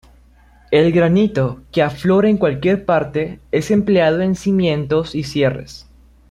El granito, que aflora en cualquier parte, es empleado en cimientos y cierres.